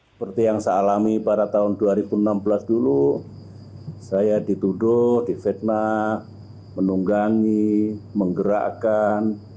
seperti yang saya alami pada tahun dua ribu enam belas dulu saya dituduh difitnah menunggangi menggerakkan